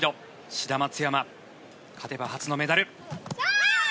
志田・松山勝てば初のメダル。